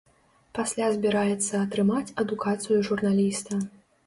Пасля збіраецца атрымаць адукацыю журналіста.